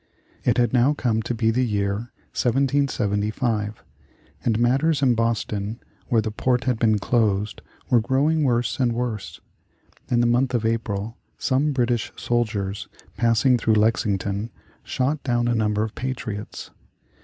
It had now come to be the year 1775, and matters in Boston where the port had been closed were growing worse and worse. In the month of April some British soldiers passing through Lexington shot down a number of patriots.